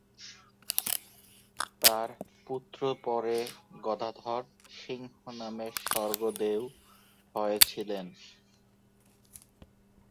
তাঁর পুত্র পরে গদাধর সিংহ নামে স্বর্গদেউ হয়েছিলেন।